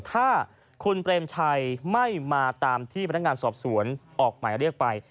ถ้าคุณเปรมชัยไม่มาตามที่พนักงานสอบสวนออกหมายเรียกไป